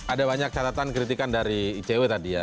ada banyak catatan kritikan dari icw tadi ya